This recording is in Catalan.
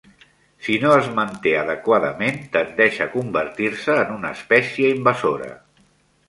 Si no es manté adequadament, tendeix a convertir-se en una espècie invasora.